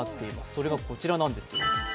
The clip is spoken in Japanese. それがこちらなんです。